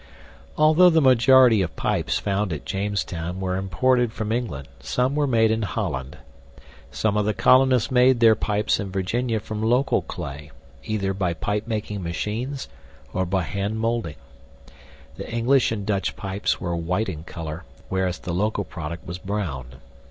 Although the majority of pipes found at Jamestown were imported from England, some were made in Holland. Some of the colonists made their pipes in Virginia from local clay, either by pipemaking machines or by handmolding. The English and Dutch pipes were white in color, whereas the local product was brown.